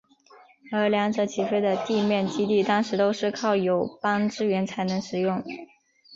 而两者起飞的地面基地当时都是靠友邦支援才能使用。